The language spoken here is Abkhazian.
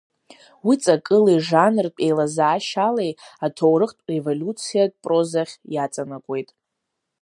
Уи ҵакылеи жанртә еилазаашьалеи аҭоурых-револиуциатә прозахь иаҵанакуеит.